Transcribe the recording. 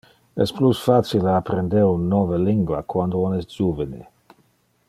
Es plus facile apprender un nove lingua quando on es juvene.